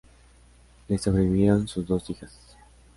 Le sobrevivieron sus dos hijas.